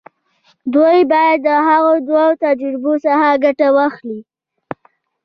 دوی بايد له هغو دوو تجربو څخه ګټه واخلي.